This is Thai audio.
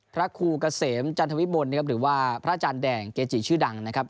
พระครูเกษมจันทวิมลนะครับหรือว่าพระอาจารย์แดงเกจิชื่อดังนะครับ